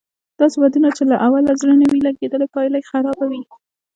داسې ودونه چې له اوله زړه نه وي لګېدلی پايله یې خرابه وي